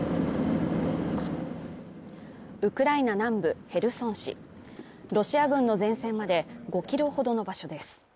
ウクライナ南部ヘルソン市ロシア軍の前線まで５ｋｍほどの場所です。